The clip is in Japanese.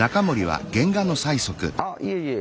あいえいえ